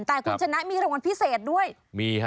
แต่คุณชนะมีรางวัลพิเศษด้วยมีฮะ